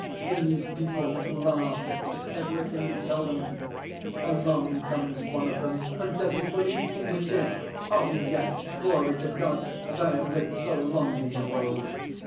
These people laugh at everything you tell them. Along comes one of them and doesn't believe in witches! Yes, glory to God that I have lived so long in the world!